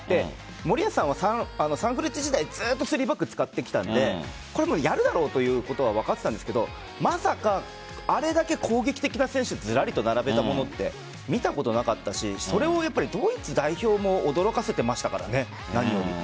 森保さんはサンフレッチェ時代ずっと３バックを使ってきたのでやるだろうということは分かっていたんですがまさかあれだけ攻撃的な選手をずらりと並べたものは見たことなかったしそれをドイツ代表も驚かせてましたからね。